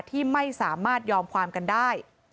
ที่ไม่สามารถยอมความกันได้